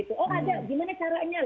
oh ada gimana caranya